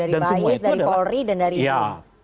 dari bais dari polri dan dari bim